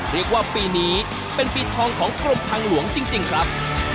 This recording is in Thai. เรียกว่าปีนี้เป็นปีทองของกรมทางหลวงจริงครับ